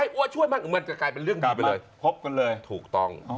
ดูตรงในชีวิต